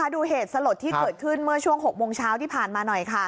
ดูเหตุสลดที่เกิดขึ้นเมื่อช่วง๖โมงเช้าที่ผ่านมาหน่อยค่ะ